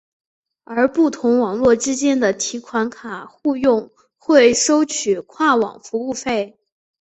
而不同网络之间的提款卡互用会收取跨网服务费。